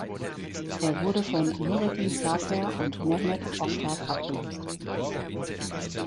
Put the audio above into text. Er wurde von Nurettin Zafer und Mehmet Oktav abgelöst.